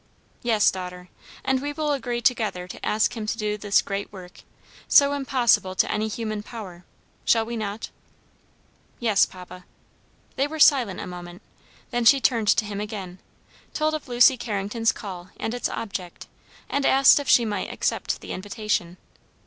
"Yes, daughter, and we will agree together to ask Him to do this great work, so impossible to any human power; shall we not?" "Yes, papa." They were silent a moment; then she turned to him again, told of Lucy Carrington's call and its object, and asked if she might accept the invitation.